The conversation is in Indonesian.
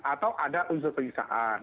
atau ada unsur pengisahan